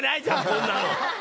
こんなの。